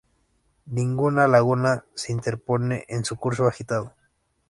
Ninguna laguna se interpone en su curso agitado.